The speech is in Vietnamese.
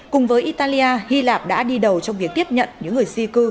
cùng với italia hy lạp đã đi đầu trong việc tiếp nhận những người di cư